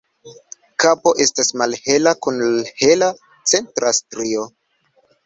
Kapo estas malhela kun hela centra strio.